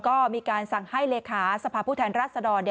ก็มีการสั่งให้เลขาสภาพผู้แทนรัศดร